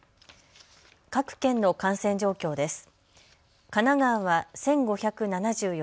各県の感染状況です。